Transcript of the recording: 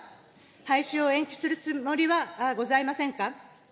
廃止を延期するつもりはございませんか。